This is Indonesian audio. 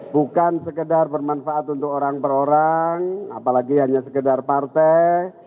bukan sekedar bermanfaat untuk orang per orang apalagi hanya sekedar partai